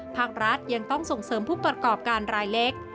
ภาครัฐยังต้องส่งเสริมผู้ประกอบการรายเล็ก